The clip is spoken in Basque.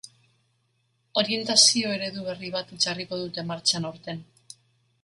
Orientazio eredu berri bat jarriko dute martxan aurten.